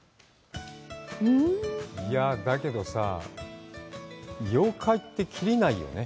いやぁ、だけどさぁ、妖怪って、切りがないよね。